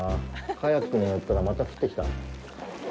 カヤックに乗ったら、また降ってきた。